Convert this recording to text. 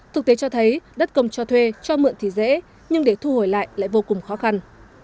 thực tế cho thấy đất công cho thuê cho mượn thì dễ nhưng để thu hồi lại lại vô cùng khó khăn